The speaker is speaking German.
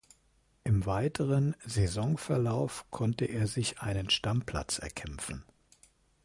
Im weiteren Saisonverlauf konnte er sich einen Stammplatz erkämpfen.